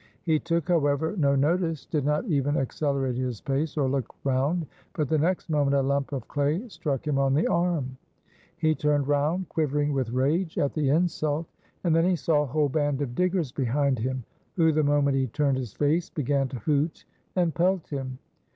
He took, however, no notice, did not even accelerate his pace or look round; but the next moment a lump of clay struck him on the arm. He turned round, quivering with rage at the insult, and then he saw a whole band of diggers behind him, who the moment he turned his face began to hoot and pelt him.